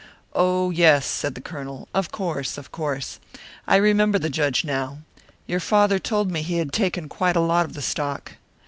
"Oh, yes," said the Colonel. "Of course, of course! I remember the Judge now. Your father told me he had taken quite a lot of the stock."